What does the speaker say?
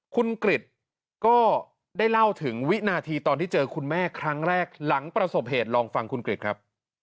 คุณกริจก็ได้เล่าถึงวินาทีตอนที่เจอคุณแม่ครั้งแรกหลังประสบเหตุลองฟังคุณกริจครับ